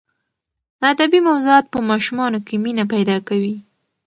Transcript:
ادبي موضوعات په ماشومانو کې مینه پیدا کوي.